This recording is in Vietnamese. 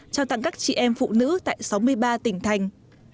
trao tặng các chị em phụ nữ tại sáu mươi ba tỉnh thành